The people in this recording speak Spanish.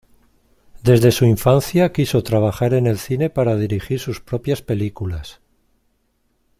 Desde su infancia quiso trabajar en el cine para dirigir sus propias películas.